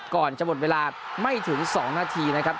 ก่อนจะหมดเวลาไม่ถึง๒นาทีนะครับ